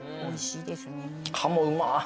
鴨うまっ。